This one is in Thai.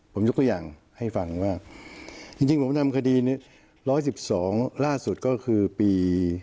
ผมยกตัวอย่างให้ฟังว่าจริงผมนำคดีนี้๑๑๒ล่าสุดก็คือปี